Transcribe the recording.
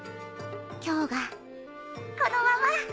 今日がこのまま。